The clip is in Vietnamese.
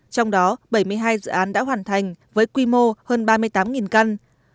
trong đó bảy mươi hai dự án đã hoàn thành với quy mô hơn ba mươi tám căn